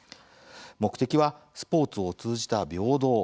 目的は、スポーツを通じた平等。